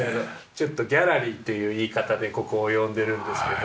ちょっとギャラリーという言い方でここを呼んでるんですけど。